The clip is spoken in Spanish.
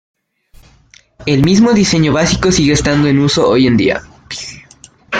El mismo diseño básico sigue estando en uso hoy en día.